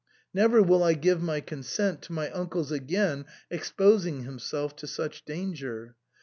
Never will I give my consent to my uncle's again ex posing himself to such danger.